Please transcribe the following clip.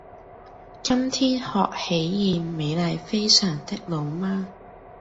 今天喝喜宴美麗非常的老媽